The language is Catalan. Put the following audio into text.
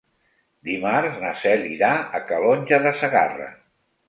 Dimarts na Cel irà a Calonge de Segarra.